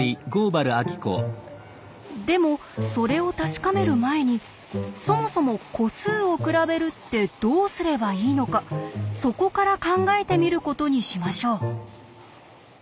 でもそれを確かめる前にそもそも個数を比べるってどうすればいいのかそこから考えてみることにしましょう。